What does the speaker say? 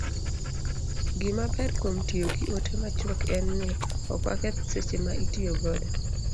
Gimaber kuom tiyo gi ote machuok en ni, ok waketh seche ma itiyo godo